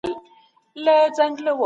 خداى خبر څومره به يې وساتې په مـينه يـاره